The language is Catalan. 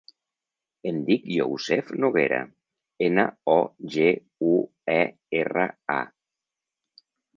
Em dic Yousef Noguera: ena, o, ge, u, e, erra, a.